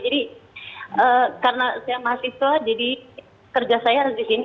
jadi karena saya mahasiswa jadi kerja saya harus disini